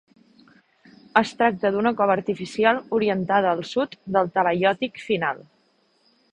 Es tracta d'una cova artificial orientada al sud del talaiòtic final.